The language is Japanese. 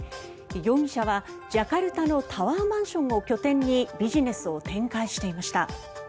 容疑者はジャカルタのタワーマンションを拠点にビジネスを展開していました。